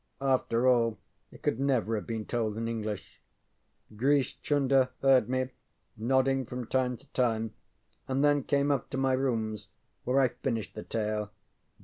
After all it could never have been told in English. Grish Chunder heard me, nodding from time to time, and then came up to my rooms where I finished the tale.